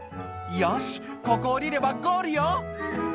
「よしここ下りればゴールよ」